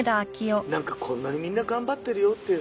こんなにみんな頑張ってるよって。